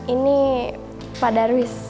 ini pak darwis